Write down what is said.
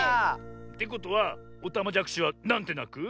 てことはおたまじゃくしはなんてなく？